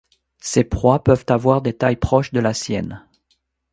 Ses proies peuvent avoir des tailles proches de la sienne.